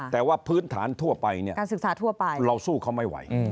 แต่ว่าพื้นฐานทั่วไปเราสู้เขาไม่ไหว